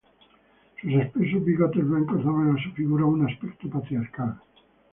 Sus espesos bigotes blancos, daban a su figura, un aspecto patriarcal.